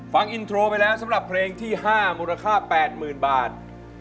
ฟังอินโทรไปแล้วสำหรับเพลงที่๕มูลค่า๘๐๐๐บาท